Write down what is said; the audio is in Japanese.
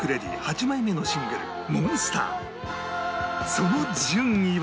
その順位は